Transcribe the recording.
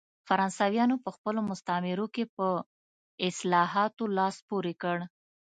فرانسویانو په خپلو مستعمرو کې په اصلاحاتو لاس پورې کړ.